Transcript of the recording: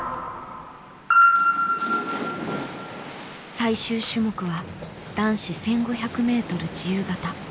最終種目は男子１５００ｍ自由形。